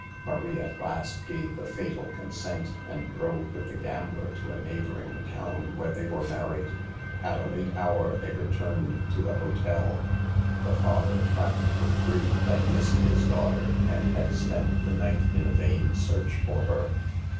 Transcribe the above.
Marie at last gave the fatal consent, and drove with the gambler to a neighboring town, THE EVILS OF DAKCING. 79 where they were married. At a late hour they returned to the hotel. The father, frantic with grief, had missed his daughter, and had spent the night in a vain search for her.